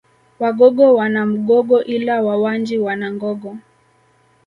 Wagogo wana Mgogo ila Wawanji wana Ngogo